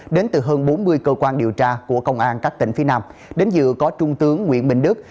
đến từ hơn bốn mươi cơ quan điều tra của công an các tỉnh phía nam đến dự có trung tướng nguyễn bình đức